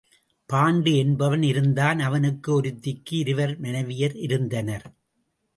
Bond என்பவன் இருந்தான் அவனுக்கு ஒருத்திக்கு இருவர் மனைவியர் இருந்தனர்.